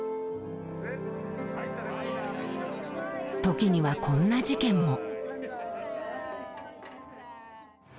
時にはこんな事件も。